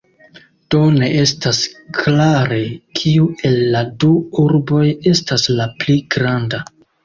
Do ne estas klare, kiu el la du urboj estas la pli granda.